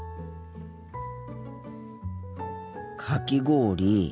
かき氷。